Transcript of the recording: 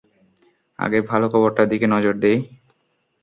আগে ভালো খবরটার দিকে নজর দেই?